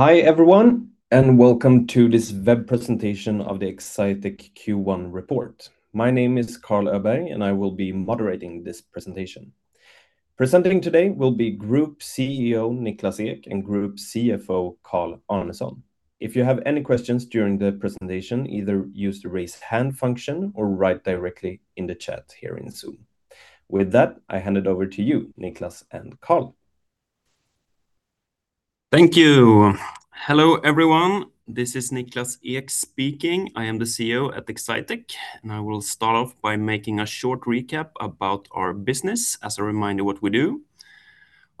Hi everyone, welcome to this web presentation of the Exsitec Q1 report. My name is Carl Öberg, and I will be moderating this presentation. Presenting today will be Group CEO Niklas Ek and Group CFO Carl Arnesson. If you have any questions during the presentation, either use the raise hand function or write directly in the chat here in Zoom. With that, I hand it over to you, Niklas and Carl. Thank you. Hello everyone. This is Niklas Ek speaking. I am the CEO at Exsitec, and I will start off by making a short recap about our business as a reminder what we do.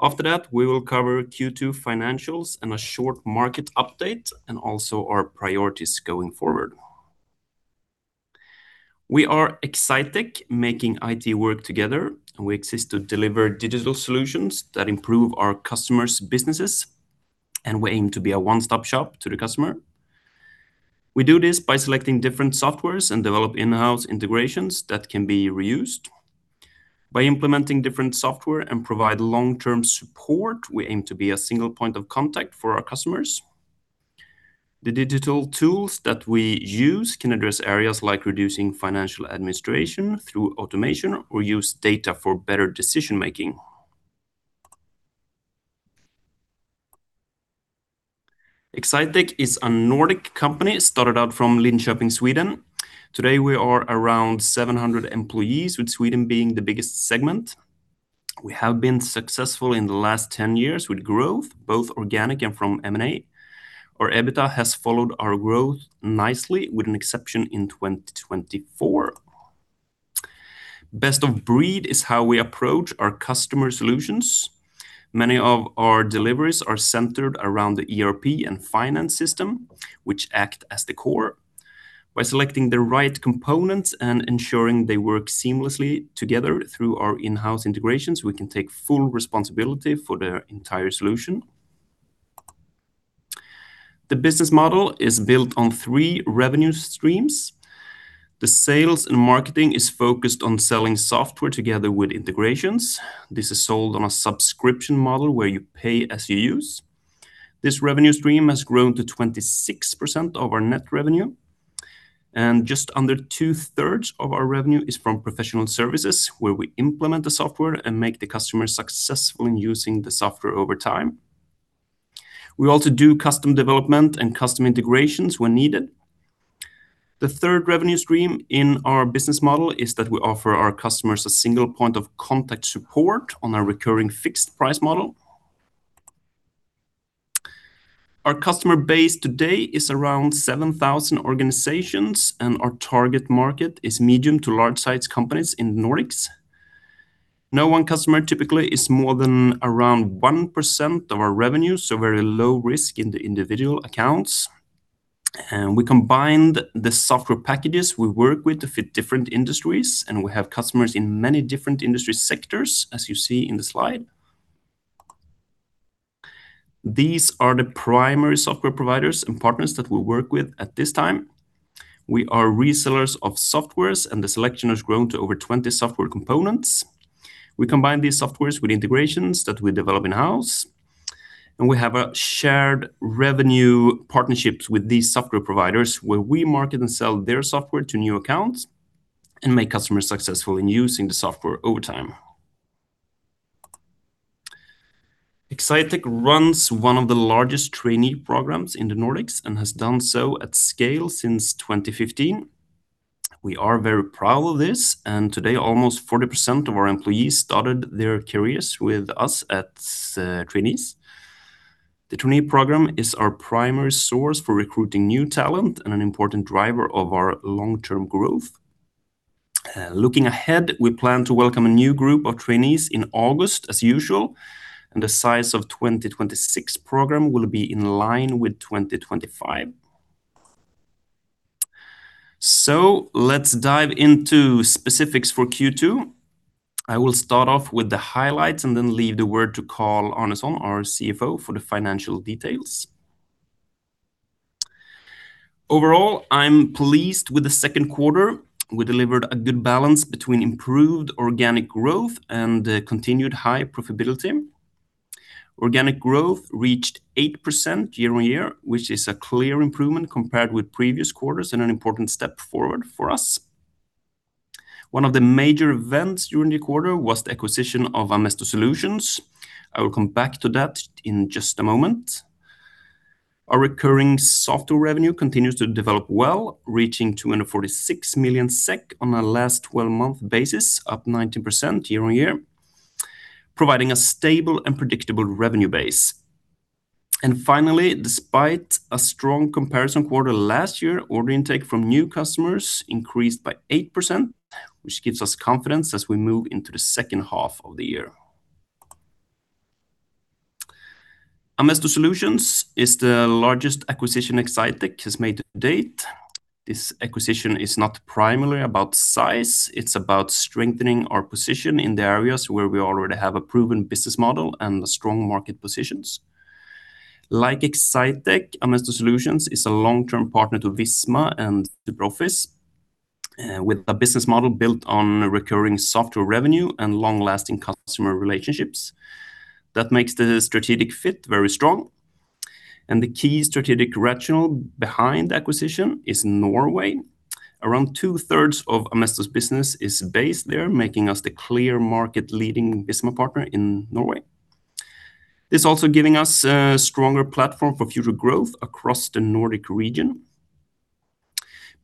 After that, we will cover Q2 financials and a short market update, and also our priorities going forward. We are Exsitec, making IT work together, and we exist to deliver digital solutions that improve our customers' businesses, and we aim to be a one-stop shop to the customer. We do this by selecting different softwares and develop in-house integrations that can be reused. By implementing different software and provide long-term support, we aim to be a single point of contact for our customers. The digital tools that we use can address areas like reducing financial administration through automation or use data for better decision-making. Exsitec is a Nordic company, started out from Linköping, Sweden. Today, we are around 700 employees, with Sweden being the biggest segment. We have been successful in the last 10 years with growth, both organic and from M&A. Our EBITA has followed our growth nicely, with an exception in 2024. Best of breed is how we approach our customer solutions. Many of our deliveries are centered around the ERP and finance system, which act as the core. By selecting the right components and ensuring they work seamlessly together through our in-house integrations, we can take full responsibility for the entire solution. The business model is built on three revenue streams. The sales and marketing is focused on selling software together with integrations. This is sold on a subscription model where you pay as you use. This revenue stream has grown to 26% of our net revenue, and just under 2/3 of our revenue is from professional services, where we implement the software and make the customer successful in using the software over time. We also do custom development and custom integrations when needed. The third revenue stream in our business model is that we offer our customers a single point of contact support on a recurring fixed-price model. Our customer base today is around 7,000 organizations, and our target market is medium to large-sized companies in the Nordics. No one customer typically is more than around 1% of our revenue, so very low risk in the individual accounts. We combined the software packages we work with to fit different industries, and we have customers in many different industry sectors, as you see in the slide. These are the primary software providers and partners that we work with at this time. We are resellers of softwares, and the selection has grown to over 20 software components. We combine these softwares with integrations that we develop in-house, and we have a shared revenue partnerships with these software providers where we market and sell their software to new accounts and make customers successful in using the software over time. Exsitec runs one of the largest trainee programs in the Nordics and has done so at scale since 2015. We are very proud of this, and today almost 40% of our employees started their careers with us as trainees. The trainee program is our primary source for recruiting new talent and an important driver of our long-term growth. Looking ahead, we plan to welcome a new group of trainees in August as usual, and the size of 2026 program will be in line with 2025. Let's dive into specifics for Q2. I will start off with the highlights and then leave the word to Carl Arnesson, our CFO, for the financial details. Overall, I'm pleased with the second quarter. We delivered a good balance between improved organic growth and continued high profitability. Organic growth reached 8% year-over-year, which is a clear improvement compared with previous quarters and an important step forward for us. One of the major events during the quarter was the acquisition of Amesto Solutions. I will come back to that in just a moment. Our recurring software revenue continues to develop well, reaching 246 million SEK on a last 12-month basis, up 19% year-over-year, providing a stable and predictable revenue base. And finally, despite a strong comparison quarter last year, order intake from new customers increased by 8%, which gives us confidence as we move into the second half of the year. Amesto Solutions is the largest acquisition Exsitec has made to date. This acquisition is not primarily about size. It's about strengthening our position in the areas where we already have a proven business model and strong market positions. Like Exsitec, Amesto Solutions is a long-term partner to Visma and SuperOffice. With a business model built on recurring software revenue and long-lasting customer relationships. That makes the strategic fit very strong, and the key strategic rationale behind the acquisition is Norway. Around 2/3 of Amesto's business is based there, making us the clear market-leading Visma partner in Norway. It's also giving us a stronger platform for future growth across the Nordic region.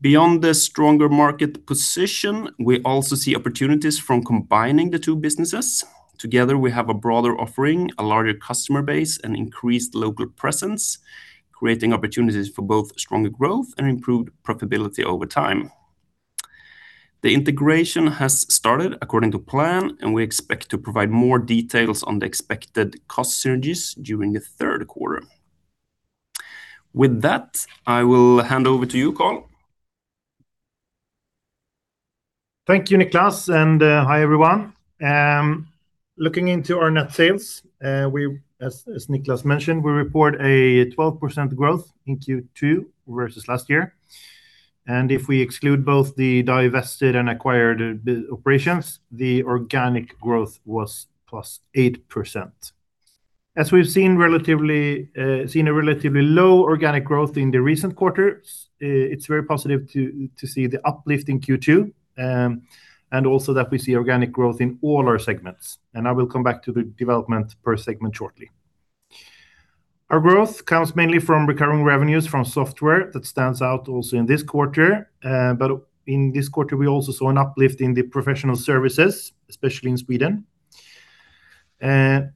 Beyond the stronger market position, we also see opportunities from combining the two businesses. Together, we have a broader offering, a larger customer base, and increased local presence, creating opportunities for both stronger growth and improved profitability over time. The integration has started according to plan, and we expect to provide more details on the expected cost synergies during the third quarter. With that, I will hand over to you, Carl. Thank you, Niklas, and hi, everyone. Looking into our net sales, as Niklas mentioned, we report a 12% growth in Q2 versus last year. If we exclude both the divested and acquired operations, the organic growth was +8%. As we've seen a relatively low organic growth in the recent quarters, it's very positive to see the uplift in Q2, also that we see organic growth in all our segments. I will come back to the development per segment shortly. Our growth comes mainly from recurring revenues from software that stands out also in this quarter. In this quarter, we also saw an uplift in the professional services, especially in Sweden.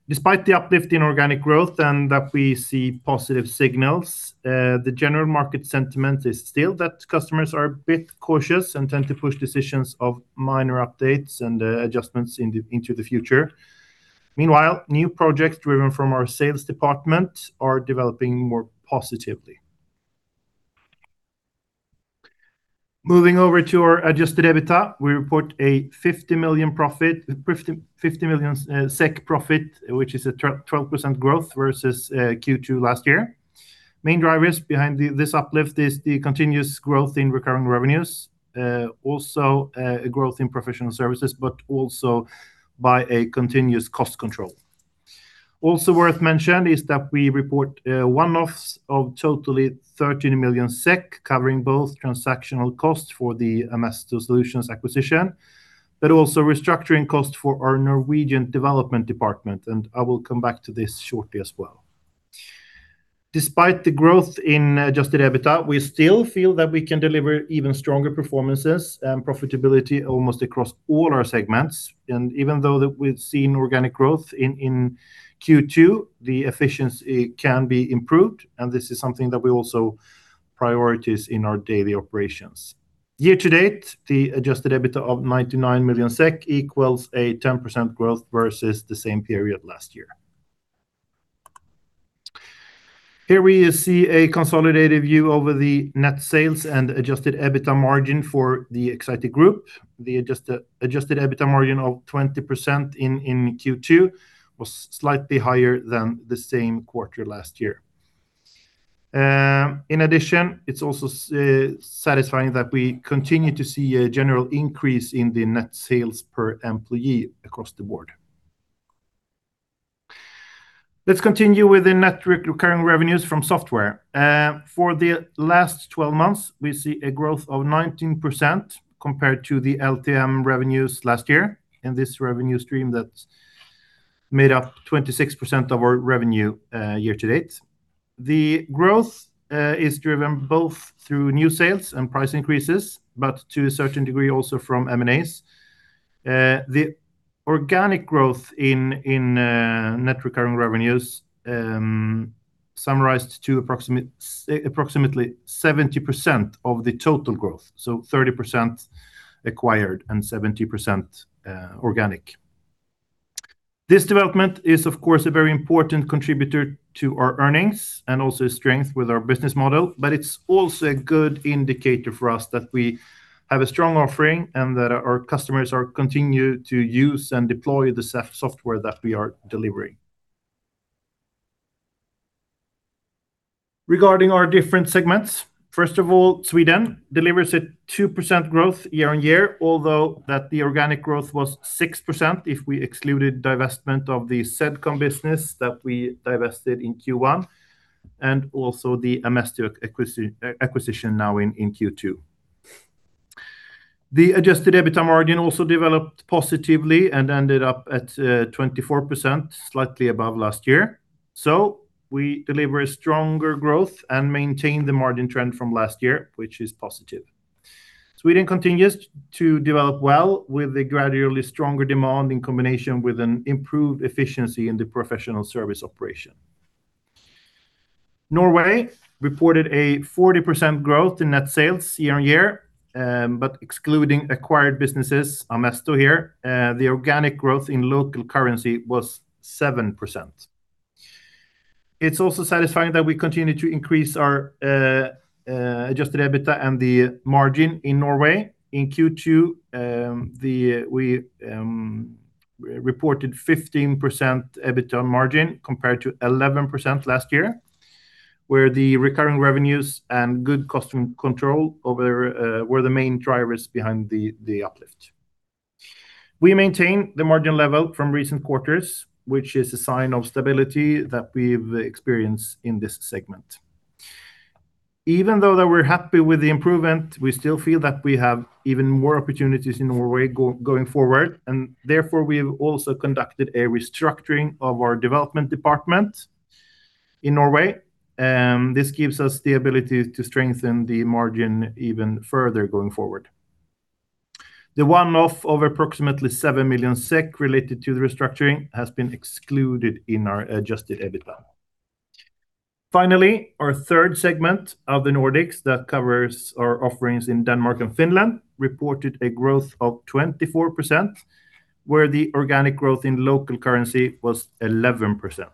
Despite the uplift in organic growth and that we see positive signals, the general market sentiment is still that customers are a bit cautious and tend to push decisions of minor updates and adjustments into the future. Meanwhile, new projects driven from our sales department are developing more positively. Moving over to our adjusted EBITA, we report a 50 million profit, which is a 12% growth versus Q2 last year. Main drivers behind this uplift is the continuous growth in recurring revenues. Also, a growth in professional services, but also by a continuous cost control. Also worth mentioning is that we report one-offs of totally 13 million SEK, covering both transactional costs for the Amesto Solutions acquisition, but also restructuring costs for our Norwegian development department, I will come back to this shortly as well. Despite the growth in adjusted EBITA, we still feel that we can deliver even stronger performances and profitability almost across all our segments. Even though that we've seen organic growth in Q2, the efficiency can be improved, this is something that we also prioritize in our daily operations. Year to date, the adjusted EBITA of 99 million SEK equals a 10% growth versus the same period last year. Here we see a consolidated view over the net sales and adjusted EBITA margin for the Exsitec group. The adjusted EBITA margin of 20% in Q2 was slightly higher than the same quarter last year. In addition, it's also satisfying that we continue to see a general increase in the net sales per employee across the board. Let's continue with the net recurring revenues from software. For the last 12 months, we see a growth of 19% compared to the LTM revenues last year in this revenue stream that made up 26% of our revenue year to date. The growth is driven both through new sales and price increases, but to a certain degree, also from M&As. The organic growth in net recurring revenues summarized to approximately 70% of the total growth, so 30% acquired and 70% organic. This development is, of course, a very important contributor to our earnings and also strength with our business model, but it's also a good indicator for us that we have a strong offering and that our customers continue to use and deploy the software that we are delivering. Regarding our different segments, first of all, Sweden delivers a 2% growth year-on-year, although that the organic growth was 6% if we excluded divestment of the Zedcom business that we divested in Q1, and also the Amesto acquisition now in Q2. The adjusted EBITA margin also developed positively and ended up at 24%, slightly above last year. We deliver a stronger growth and maintain the margin trend from last year, which is positive. Sweden continues to develop well with a gradually stronger demand in combination with an improved efficiency in the professional service operation. Norway reported a 40% growth in net sales year-on-year, but excluding acquired businesses, Amesto here, the organic growth in local currency was 7%. It's also satisfying that we continue to increase our adjusted EBITA and the margin in Norway. In Q2, we reported 15% EBITA margin compared to 11% last year, where the recurring revenues and good cost control were the main drivers behind the uplift. We maintain the margin level from recent quarters, which is a sign of stability that we've experienced in this segment. Even though that we're happy with the improvement, we still feel that we have even more opportunities in Norway going forward. Therefore, we've also conducted a restructuring of our development department in Norway. This gives us the ability to strengthen the margin even further going forward. The one-off of approximately 7 million SEK related to the restructuring has been excluded in our adjusted EBITA. Finally, our third segment of the Nordics that covers our offerings in Denmark and Finland reported a growth of 24%, where the organic growth in local currency was 11%.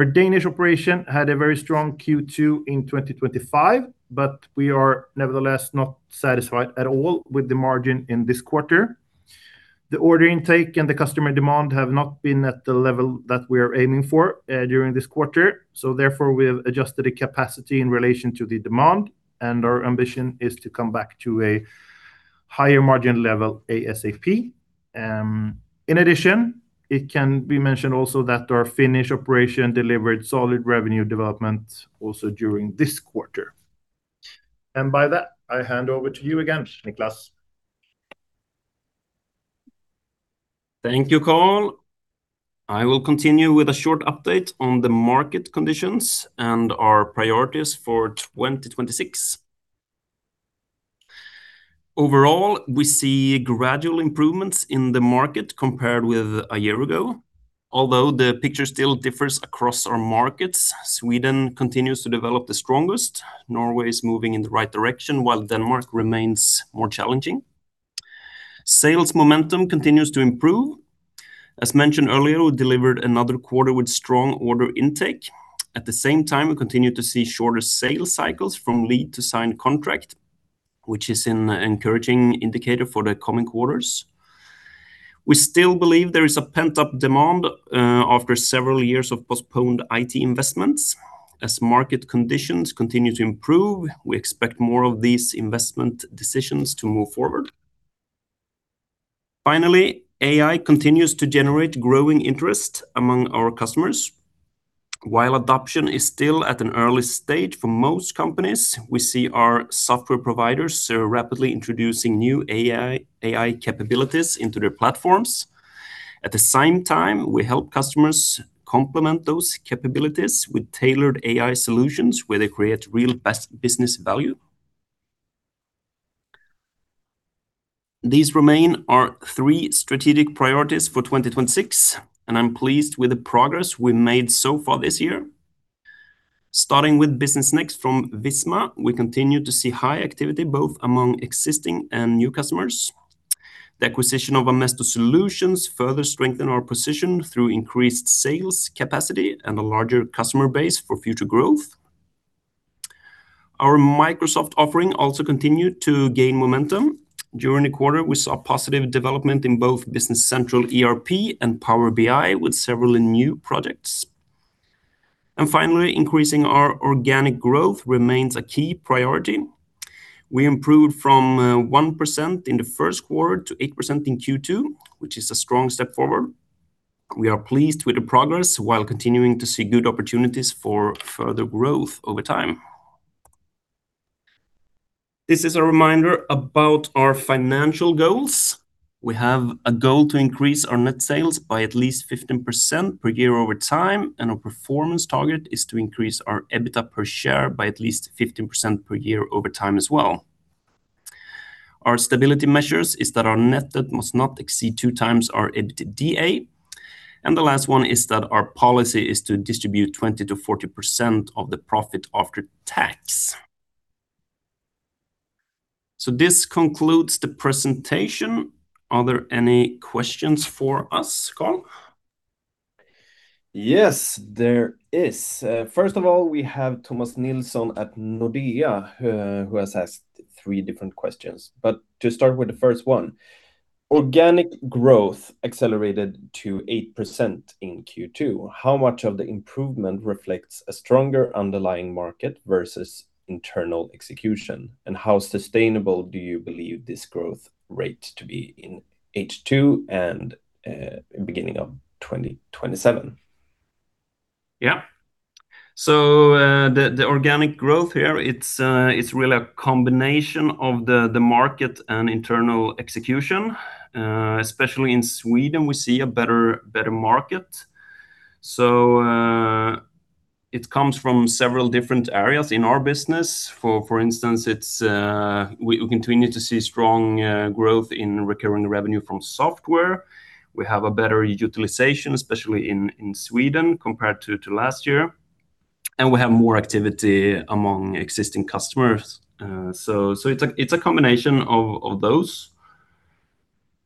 Our Danish operation had a very strong Q2 in 2025. We are nevertheless not satisfied at all with the margin in this quarter. The order intake and the customer demand have not been at the level that we are aiming for during this quarter. Therefore, we have adjusted the capacity in relation to the demand, and our ambition is to come back to a higher margin level ASAP. In addition, it can be mentioned also that our Finnish operation delivered solid revenue development also during this quarter. By that, I hand over to you again, Niklas. Thank you, Carl. I will continue with a short update on the market conditions and our priorities for 2026. Overall, we see gradual improvements in the market compared with a year ago, although the picture still differs across our markets. Sweden continues to develop the strongest. Norway is moving in the right direction, while Denmark remains more challenging. Sales momentum continues to improve. As mentioned earlier, we delivered another quarter with strong order intake. At the same time, we continue to see shorter sales cycles from lead to signed contract, which is an encouraging indicator for the coming quarters. We still believe there is a pent-up demand after several years of postponed IT investments. As market conditions continue to improve, we expect more of these investment decisions to move forward. Finally, AI continues to generate growing interest among our customers. While adoption is still at an early stage for most companies, we see our software providers are rapidly introducing new AI capabilities into their platforms. At the same time, we help customers complement those capabilities with tailored AI solutions where they create real business value. These remain our three strategic priorities for 2026, and I'm pleased with the progress we've made so far this year. Starting with Business NXT from Visma, we continue to see high activity both among existing and new customers. The acquisition of Amesto Solutions further strengthen our position through increased sales capacity and a larger customer base for future growth. Our Microsoft offering also continued to gain momentum. During the quarter, we saw positive development in both Business Central ERP and Power BI with several new projects. Finally, increasing our organic growth remains a key priority. We improved from 1% in the first quarter to 8% in Q2, which is a strong step forward. We are pleased with the progress while continuing to see good opportunities for further growth over time. This is a reminder about our financial goals. We have a goal to increase our net sales by at least 15% per year over time, and our performance target is to increase our EBITA per share by at least 15% per year over time as well. Our stability measures is that our net debt must not exceed 2x our EBITDA. The last one is that our policy is to distribute 20%-40% of the profit after tax. This concludes the presentation. Are there any questions for us, Carl? Yes, there is. First of all, we have Thomas Nilsson at Nordea, who has asked three different questions. To start with the first one, organic growth accelerated to 8% in Q2. How much of the improvement reflects a stronger underlying market versus internal execution? How sustainable do you believe this growth rate to be in H2 and beginning of 2027? Yeah. The organic growth here, it's really a combination of the market and internal execution. Especially in Sweden, we see a better market. It comes from several different areas in our business. For instance, we continue to see strong growth in recurring revenue from software. We have a better utilization, especially in Sweden compared to last year, and we have more activity among existing customers. It's a combination of those.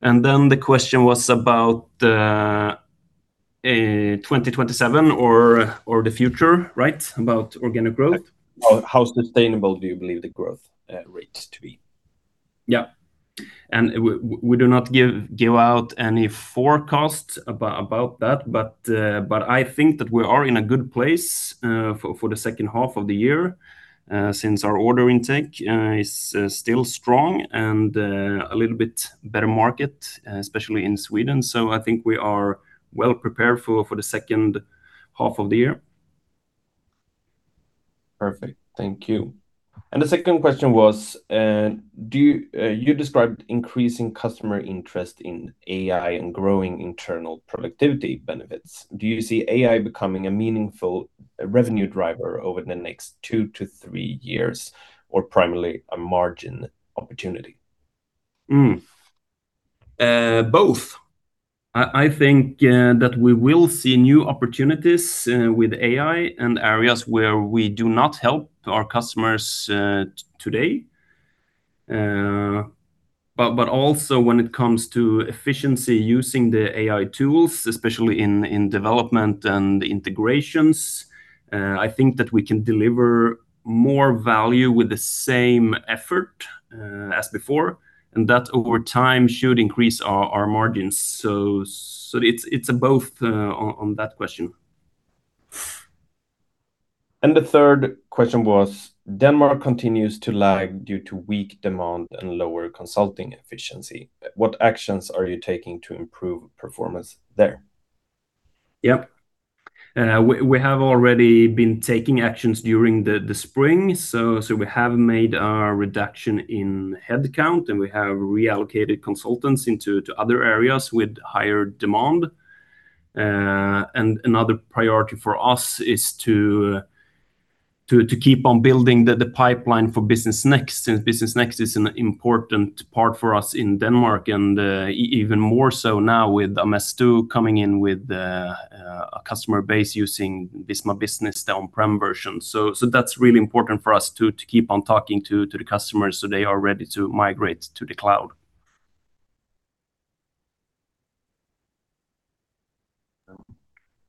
Then the question was about the 2027 or the future, about organic growth? How sustainable do you believe the growth rate to be? We do not give out any forecasts about that. I think that we are in a good place for the second half of the year, since our order intake is still strong and a little bit better market, especially in Sweden. I think we are well prepared for the second half of the year. Perfect. Thank you. The second question was, you described increasing customer interest in AI and growing internal productivity benefits. Do you see AI becoming a meaningful revenue driver over the next two to three years, or primarily a margin opportunity? Both. I think that we will see new opportunities with AI and areas where we do not help our customers today. Also when it comes to efficiency using the AI tools, especially in development and integrations, I think that we can deliver more value with the same effort as before, and that over time should increase our margins. It's both on that question. The third question was, Denmark continues to lag due to weak demand and lower consulting efficiency. What actions are you taking to improve performance there? Yep. We have already been taking actions during the spring. We have made a reduction in headcount, we have reallocated consultants into other areas with higher demand. Another priority for us is to keep on building the pipeline for Business NXT, since Business NXT is an important part for us in Denmark, even more so now with Amesto coming in with a customer base using Visma Business on-prem version. That's really important for us to keep on talking to the customers so they are ready to migrate to the cloud.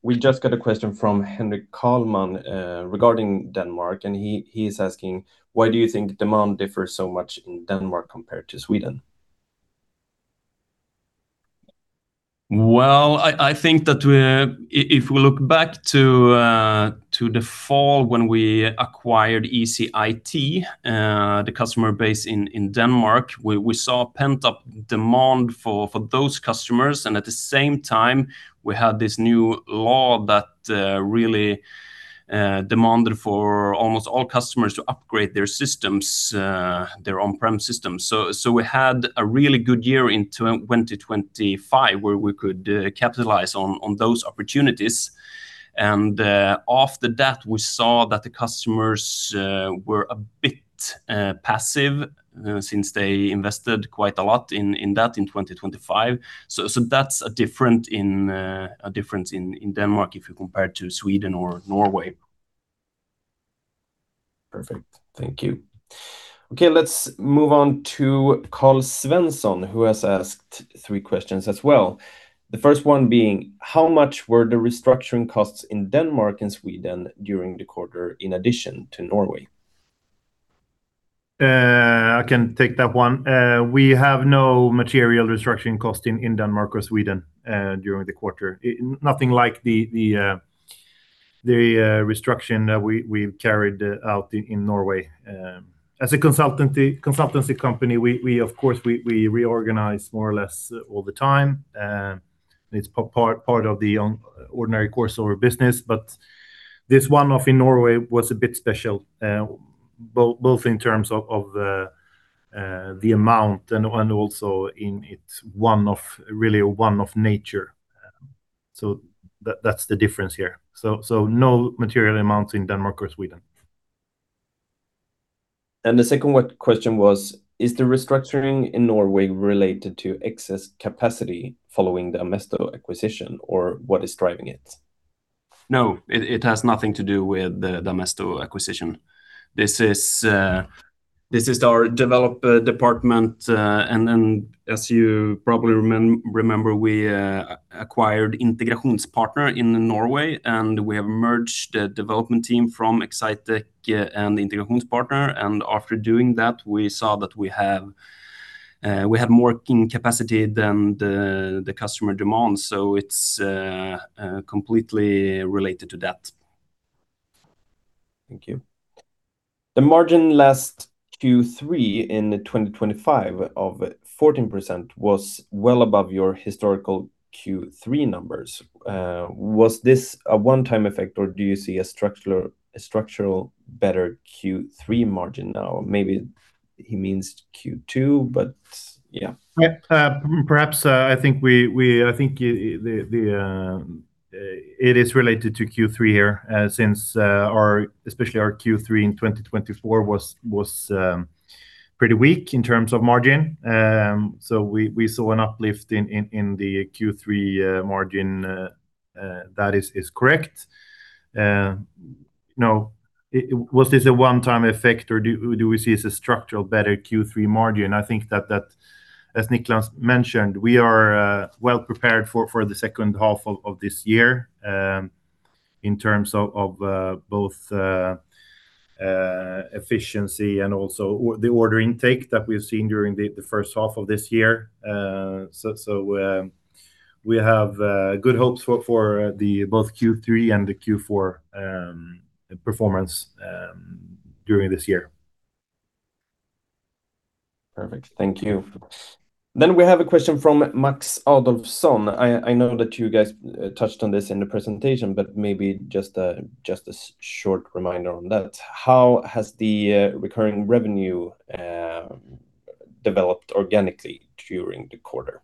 We just got a question from [Henrik Kallman] regarding Denmark, he is asking, why do you think demand differs so much in Denmark compared to Sweden? Well, I think that if we look back to the fall when we acquired ECIT, the customer base in Denmark, we saw pent-up demand for those customers. At the same time, we had this new law that really demanded for almost all customers to upgrade their on-prem systems. We had a really good year in 2025 where we could capitalize on those opportunities. After that, we saw that the customers were a bit passive since they invested quite a lot in that in 2025. That's a difference in Denmark if you compare it to Sweden or Norway. Perfect. Thank you. Okay, let's move on to [Carl Svensson], who has asked three questions as well. The first one being, how much were the restructuring costs in Denmark and Sweden during the quarter, in addition to Norway? I can take that one. We have no material restructuring cost in Denmark or Sweden during the quarter. Nothing like the restructuring that we've carried out in Norway. As a consultancy company, of course, we reorganize more or less all the time. It's part of the ordinary course of our business, but this one-off in Norway was a bit special, both in terms of the amount and also in its one-off nature. That's the difference here. No material amounts in Denmark or Sweden. The second question was, is the restructuring in Norway related to excess capacity following the Amesto acquisition, or what is driving it? No, it has nothing to do with the Amesto acquisition. This is our developer department, and as you probably remember, we acquired IntegrasjonsPartner in Norway, and we have merged the development team from Exsitec and IntegrasjonsPartner. After doing that, we saw that we have more capacity than the customer demands. It's completely related to that. Thank you. The margin last Q3 in 2025 of 14% was well above your historical Q3 numbers. Was this a one-time effect, or do you see a structural better Q3 margin now? Maybe he means Q2, yeah. Yeah. Perhaps. I think it is related to Q3 here, since especially our Q3 in 2024 was pretty weak in terms of margin. We saw an uplift in the Q3 margin. That is correct. Was this a one-time effect or do we see it as a structural better Q3 margin? I think that, as Niklas mentioned, we are well-prepared for the second half of this year in terms of both efficiency and also the order intake that we've seen during the first half of this year. We have good hopes for both Q3 and the Q4 performance during this year. Perfect. Thank you. We have a question from [Max Adolfson]. I know that you guys touched on this in the presentation, maybe just a short reminder on that. How has the recurring revenue developed organically during the quarter?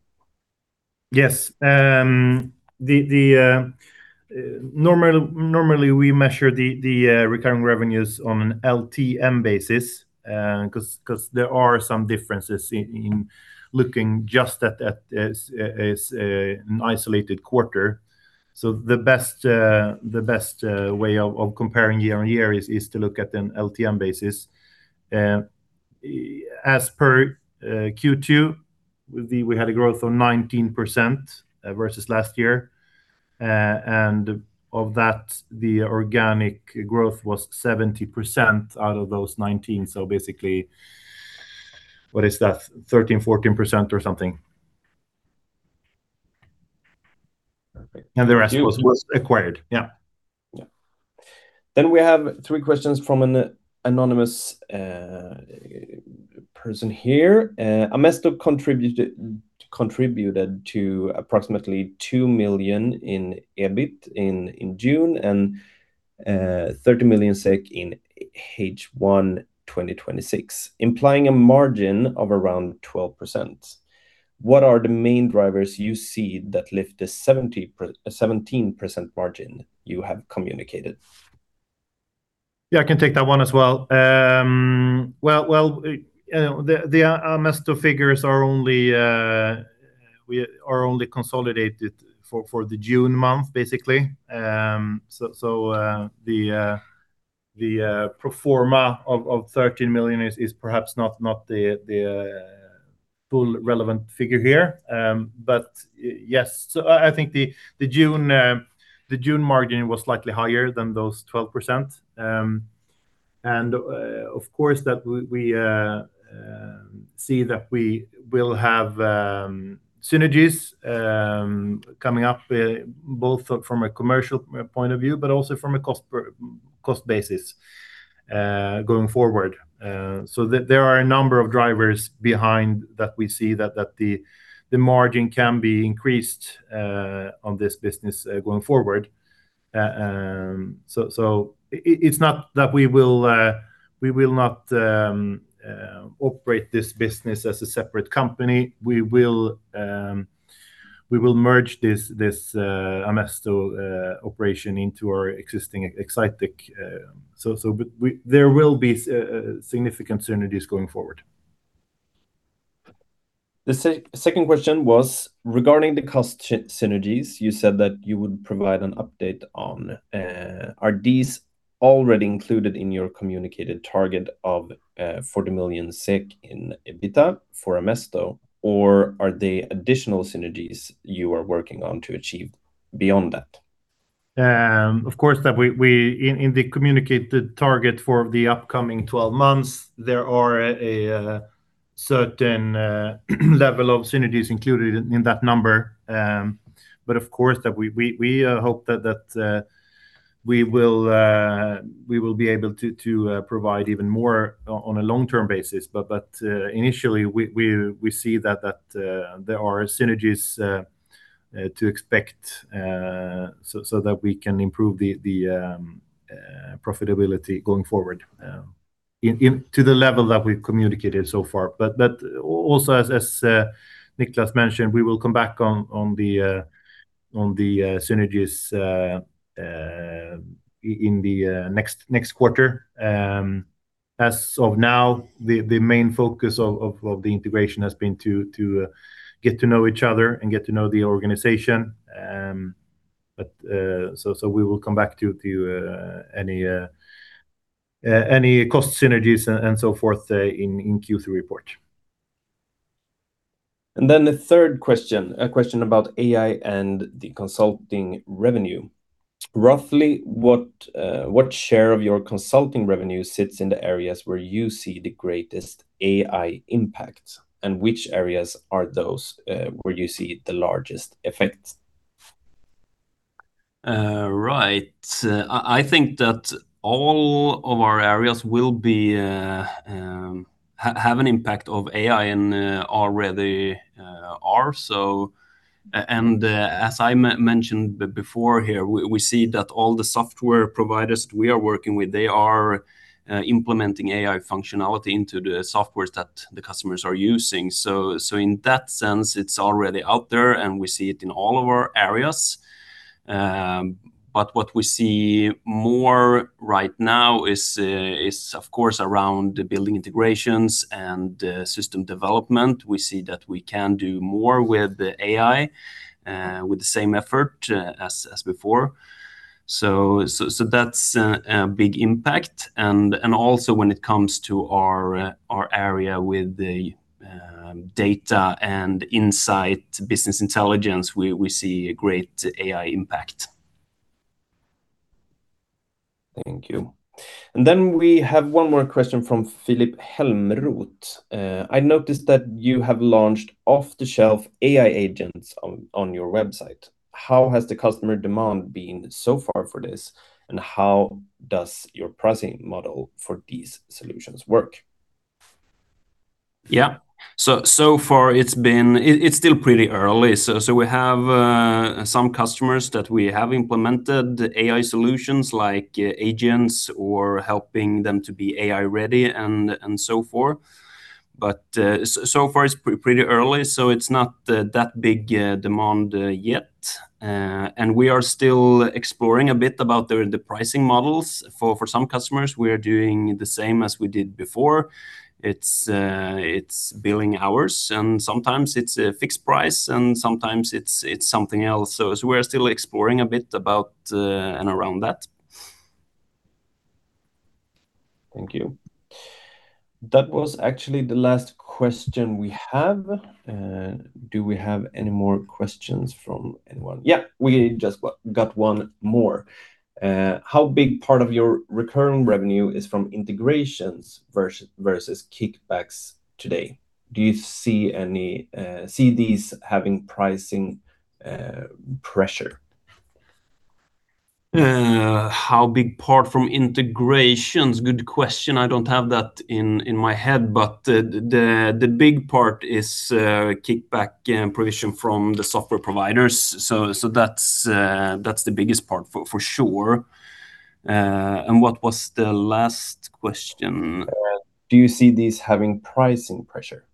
Yes. Normally we measure the recurring revenues on an LTM basis, because there are some differences in looking just at an isolated quarter. The best way of comparing year-on-year is to look at an LTM basis. As per Q2, we had a growth of 19% versus last year. Of that, the organic growth was 70% out of those 19%. Basically, what is that? 13%, 14% or something. Perfect. The rest was acquired. Yeah. We have three questions from an anonymous person here. Amesto contributed to approximately 2 million in EBIT in June and 30 million SEK in H1 2026, implying a margin of around 12%. What are the main drivers you see that lift the 17% margin you have communicated? I can take that one as well. The Amesto figures are only consolidated for the June month, basically. The pro forma of 13 million is perhaps not the full relevant figure here. I think the June margin was slightly higher than those 12%. Of course that we see that we will have synergies coming up both from a commercial point of view, but also from a cost basis going forward. There are a number of drivers behind that we see that the margin can be increased on this business going forward. It's not that we will not operate this business as a separate company. We will merge this Amesto operation into our existing Exsitec. There will be significant synergies going forward. The second question was regarding the cost synergies you said that you would provide an update on. Are these already included in your communicated target of 40 million in EBITA for Amesto or are they additional synergies you are working on to achieve beyond that? Of course, in the communicated target for the upcoming 12 months, there are a certain level of synergies included in that number. Of course, we hope that we will be able to provide even more on a long-term basis. Initially, we see that there are synergies to expect so that we can improve the profitability going forward to the level that we've communicated so far. Also as Niklas mentioned, we will come back on the synergies in the next quarter. As of now, the main focus of the integration has been to get to know each other and get to know the organization. We will come back to any cost synergies and so forth in Q3 report. The third question, a question about AI and the consulting revenue. Roughly what share of your consulting revenue sits in the areas where you see the greatest AI impact? Which areas are those where you see the largest effects? I think that all of our areas will have an impact of AI and already are. As I mentioned before here, we see that all the software providers we are working with, they are implementing AI functionality into the softwares that the customers are using. In that sense, it's already out there, and we see it in all of our areas. What we see more right now is, of course, around the building integrations and system development. We see that we can do more with AI with the same effort as before. That's a big impact. Also when it comes to our area with the data and insight business intelligence, we see a great AI impact. Thank you. We have one more question from [Philip Helmroot]. "I noticed that you have launched off-the-shelf AI agents on your website. How has the customer demand been so far for this, and how does your pricing model for these solutions work? Yeah. So far it's still pretty early. We have some customers that we have implemented AI solutions like agents or helping them to be AI ready and so forth. So far it's pretty early, so it's not that big demand yet. We are still exploring a bit about the pricing models. For some customers, we are doing the same as we did before. It's billing hours, and sometimes it's a fixed price, and sometimes it's something else. We are still exploring a bit about and around that. Thank you. That was actually the last question we have. Do we have any more questions from anyone? Yeah. We just got one more. How big part of your recurring revenue is from integrations versus kickbacks today? Do you see these having pricing pressure? How big part from integrations? Good question. I don't have that in my head, but the big part is kickback provision from the software providers. That's the biggest part for sure. What was the last question? Do you see these having pricing pressure?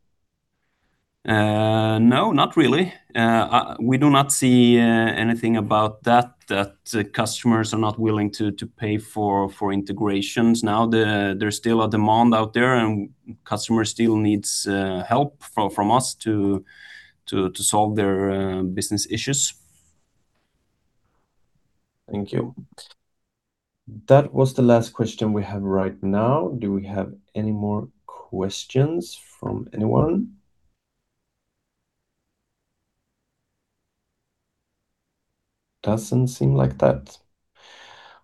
No, not really. We do not see anything about that customers are not willing to pay for integrations now. There is still a demand out there, and customers still need help from us to solve their business issues. Thank you. That was the last question we have right now. Do we have any more questions from anyone? Doesn't seem like that.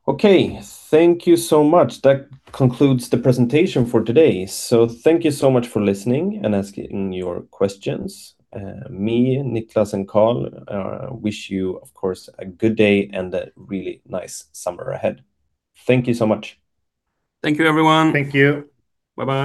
Okay. Thank you so much. That concludes the presentation for today. Thank you so much for listening and asking your questions. Me, Niklas, and Carl wish you, of course, a good day and a really nice summer ahead. Thank you so much. Thank you, everyone. Thank you. Bye-bye